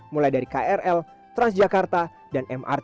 mulai dari krl transjakarta dan mrt